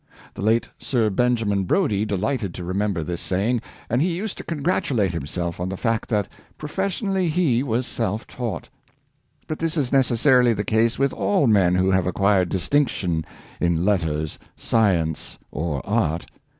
The late Sir Benjamin Brodie delighted to remember this saying, and he used to congratulate himself on the fact that profes sionally he was self taught. But this is necessarily the case with all men who have acquired distinction in let ters, science, or art.